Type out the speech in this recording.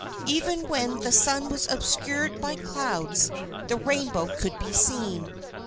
Even when the sun was obscured by clouds the rainbow could be seen.